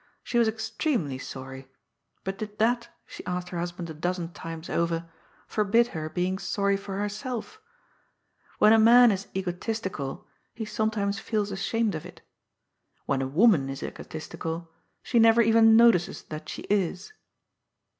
She was extremely sorry. But did that, she asked her hus band a dozen times over, forbid her being sorry for herself ? When a man is egotistical, he sometimes feels ashamed of it. When a woman is egotistical, she never even notices that she is.